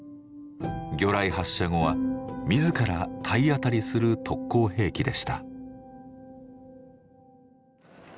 魚雷発射後は自ら体当たりする特攻兵器でした。